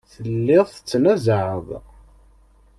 Telliḍ tettnazaɛeḍ.